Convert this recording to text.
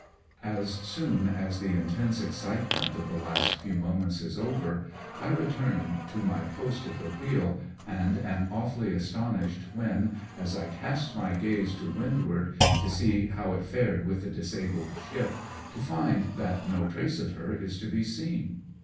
65 As soon as the intense excitement of the last few moments is over, I return to my post at the wheel, and am awfully astonished when, as I cast my gaze to windward to see how it fared with the disabled ship, to find that no trace of her is to be seen.